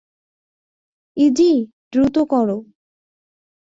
ইযি, দ্রুত করো।